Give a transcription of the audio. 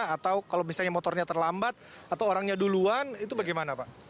atau kalau misalnya motornya terlambat atau orangnya duluan itu bagaimana pak